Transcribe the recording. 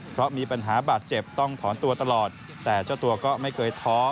เพราะมีปัญหาบาดเจ็บต้องถอนตัวตลอดแต่เจ้าตัวก็ไม่เคยท้อ